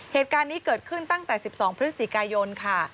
เหตุการณ์นี้เกิดขึ้นตั้งแต่๑๒พฤศจิกายนค่ะ